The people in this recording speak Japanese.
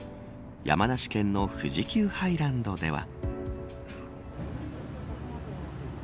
山梨県の富士急ハイランドでは。